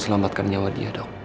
selamatkan nyawa dia dok